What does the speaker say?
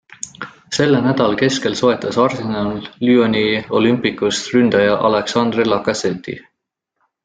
Selle nädala keskel soetas Arsenal Lyoni Olympique'ist ründaja Alexandre Lacazette'i.